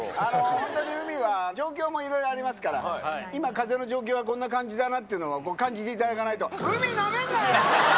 本当に海は状況もいろいろありますから、今、風の状況はこんな感じだなっていうのは感じていただかないと。